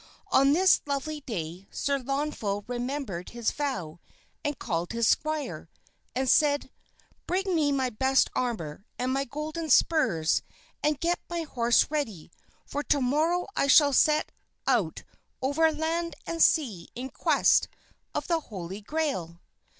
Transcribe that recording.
On this lovely day Sir Launfal remembered his vow and called his squire, and said, "Bring me my best armor and my golden spurs and get my horse ready, for to morrow I shall set out over land and sea in quest of the Holy Grail."